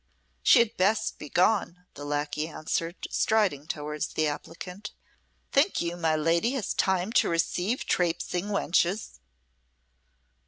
"She had best begone," the lacquey answered, striding towards the applicant. "Think you my lady has time to receive traipsing wenches."